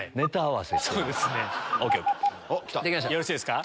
よろしいですか？